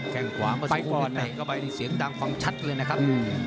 แข่งขวามาสักครู่นิดเดียวก็ไปได้เสียงดังความชัดเลยนะครับ